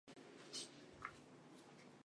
门罗县是美国乔治亚州中部的一个县。